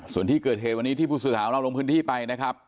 ส่วนที่เกิดเหตุวันนี้ที่ผู้สื่อข่าวของเราลงพื้นที่ไปนะครับ